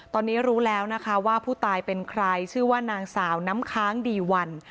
ตอนนี้รู้แล้วนะคะว่าผู้ตายเป็นใครชื่อว่านางสาวน้ำค้างดีวัน